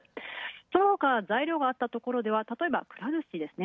そのほか材料があったところはたとえば、くら寿司ですね。